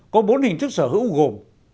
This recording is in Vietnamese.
có bốn hình thức sở hữu gồm